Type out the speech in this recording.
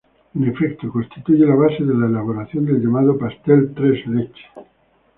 En efecto, constituye la base de la elaboración del llamado pastel tres leches.